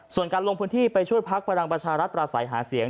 ส่วนการลงพื้นที่ไปช่วยพักพลังประชารัฐปราศัยหาเสียง